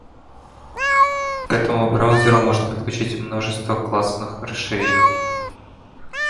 К этому браузеру можно подключить множество классных расширений.